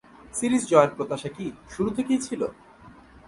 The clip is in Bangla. সিরিজ জয়ের প্রত্যাশা কি শুরু থেকেই ছিল?